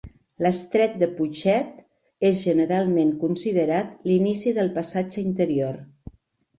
L'estret de Puget és generalment considerat l'inici del Passatge Interior.